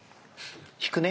引くね。